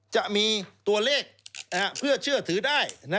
จะมีตัวเลขเพื่อเชื่อถือได้